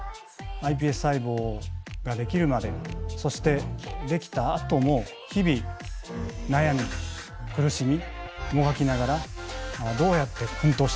ｉＰＳ細胞ができるまでそしてできたあとも日々悩み苦しみもがきながらどうやって奮闘しているか。